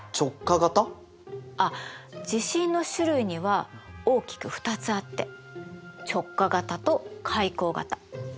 あっ地震の種類には大きく２つあって直下型と海溝型。